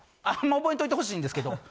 あんま覚えんといてほしいんですけど。